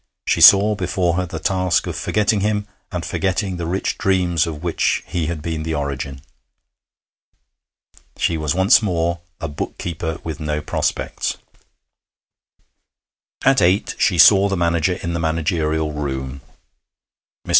She saw before her the task of forgetting him and forgetting the rich dreams of which he had been the origin. She was once more a book keeper with no prospects. At eight she saw the manager in the managerial room. Mr.